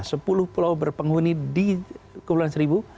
sepuluh pulau berpenghuni di kepulauan seribu